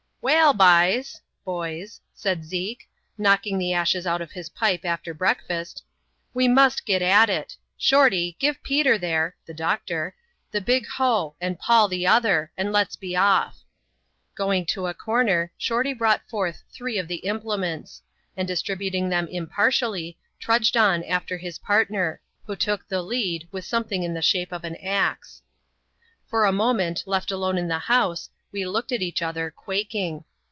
" Wall, b'ys," (boys) said Zeke, knocking the ashes out of his pipe, after breakfast —" we must get at it. Shorty, give Peter there (the doctor), the big hoe, and Paul the other, and let's be off.'* Going to a comer, Shorty brought forth three of the implements ; and distributing them impartially, trudged on after his partner, who took the lead with something in the shape of an axe» For a moment left alone in the house, we looked at each other, quaking.